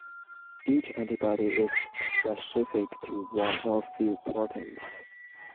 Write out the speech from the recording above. Each antibody is specific to one or a few proteins.